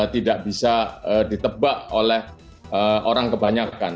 tidak bisa ditebak oleh orang kebanyakan